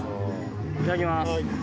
いただきます。